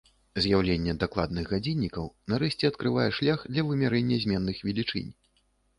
З'яўленне дакладных гадзіннікаў нарэшце адкрывае шлях для вымярэння зменных велічынь.